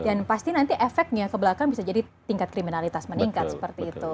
dan pasti nanti efeknya ke belakang bisa jadi tingkat kriminalitas meningkat seperti itu